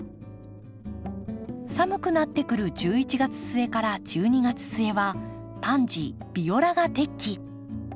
寒くなってくる１１月末１２月末はパンジービオラが適期。